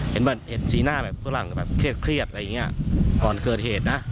เห็นสีหน้าแบบฝรั่งแบบเครียดอะไรอย่างเงี้ยก่อนเกิดเหตุนะ